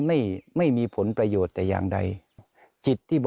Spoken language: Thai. พราคามรู้จักอาณาวีธนาตา